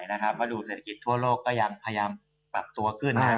หน้าครับมาดูเศรษฐกิจทั่วโลกก็ยังพยายามปรับตัวขึ้นนี่นะ